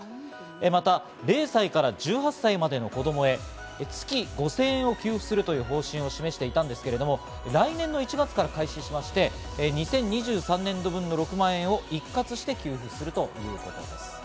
また、０歳から１８歳までの子供へ月５０００円を給付するという方針を示していたんですけれども、来年の１月から開始しまして、２０２３年度分の６万円を一括して給付するということです。